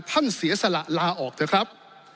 เสียสละลาออกเถอะครับ